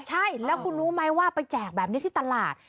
ใช่แล้วคุณรู้ไหมว่าไปแจกแบบนี้ที่ตลาด